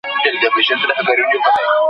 تاریخ باید له سیاست څخه جلا مطالعه سي.